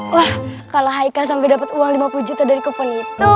wah kalau haikal sampe dapet uang lima puluh juta dari kupon itu